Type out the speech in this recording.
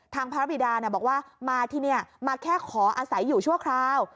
พระบิดาบอกว่ามาที่นี่มาแค่ขออาศัยอยู่ชั่วคราว